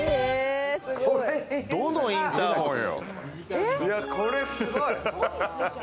どのインターフォンよ？